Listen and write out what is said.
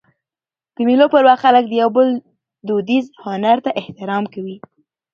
د مېلو پر وخت خلک د یو بل دودیز هنر ته احترام کوي.